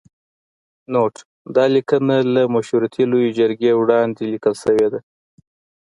نوټ: دا لیکنه له مشورتي لویې جرګې وړاندې لیکل شوې ده.